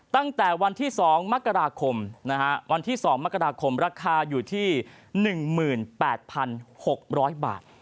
ตั้งแต่วันที่๒มกราคมราคาอยู่ที่๑๘๖๐๐บาท